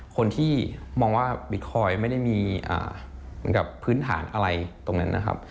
คนที่มองว่าบิตคอยน์ไม่ได้มีพื้นฐานอะไรตรงนั้น